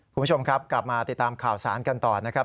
คุณผู้ชมครับกลับมาติดตามข่าวสารกันต่อนะครับ